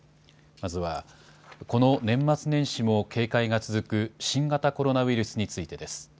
まずはこの年末年始も警戒が続く新型コロナウイルスについてです。